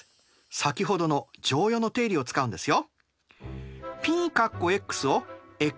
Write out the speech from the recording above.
先ほどの剰余の定理を使うんですよ。